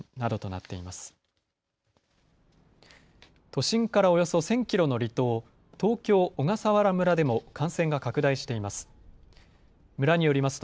都心からおよそ１０００キロの離島、東京小笠原村でも感染が拡大しています。